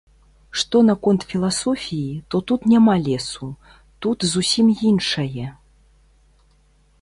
Што наконт філасофіі, то тут няма лесу, тут зусім іншае.